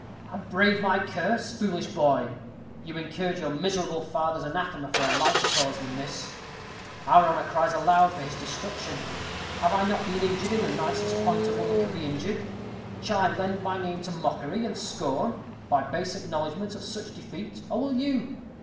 "And brave my curse, foolish boy? You incurred your miserable father's anathema for a lighter cause than this. Our honor cries aloud for his destruction. Have I not been injured in the nicest point a woman can be injured? Shall I lend my name to mockery and scorn, by base acknowledgment of such deceit, or will you?